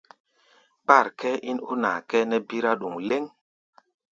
Kpár kʼɛ́ɛ́ ín ó naa kʼɛ́ɛ́ nɛ́ bírá ɗoŋ lɛ́ŋ.